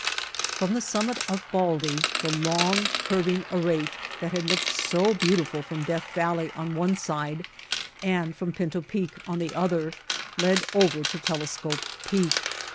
From the summit of Baldy the long curving arete that had looked so beautiful from Death Valley on one side and from Pinto Peak on the other led over to Telescope Peak.